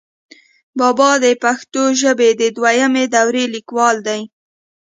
بابا دَپښتو ژبې دَدويمي دورې ليکوال دی،